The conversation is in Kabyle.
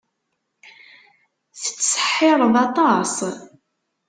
Tettseḥḥireḍ aṭas.